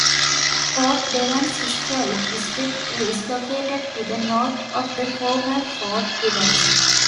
Fort Devens Historic District is located to the north of the former Fort Devens.